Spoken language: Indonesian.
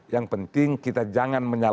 yang penting kita jangan menyalahkan